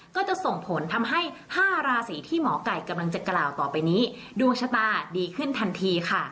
ก็จะส่งผลทำให้๕ราศีที่หมอไก่กำลังจะกล่าวต่อไปนี้ดวงชะตาดีขึ้นทันทีค่ะ